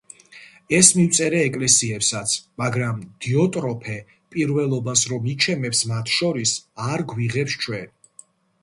ეს მივწერე ეკლესიებსაც, მაგრამ დიოტროფე, პირველობას რომ იჩემებს მათ შორის, არ გვიღებს ჩვენ.